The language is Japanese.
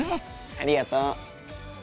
ありがとう。